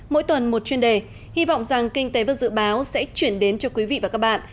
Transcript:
mỗi tuần một chuyên đề hy vọng rằng kinh tế và dự báo sẽ chuyển đến cho quý vị và các bạn